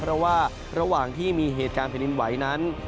เพราะว่าระหว่างที่มีเหตุการณ์แผ่นดินไหวนั้น